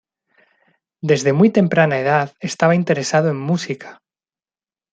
Desde muy temprana edad estaba interesado en música.